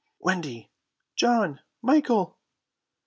"Wendy!" "John!" "Michael!"